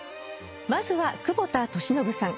まずは久保田利伸さん